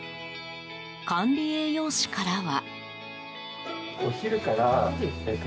管理栄養士からは。